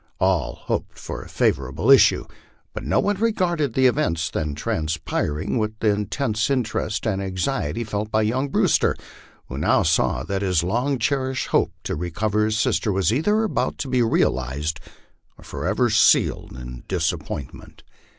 All hoped for a favorable issue, but no one regarded the events then transpiring with the intense interest and anxiety felt by young Brewster, who now saw that his long cherished hope to recover his sister was either about to be realized, or forever sealed in disappointment.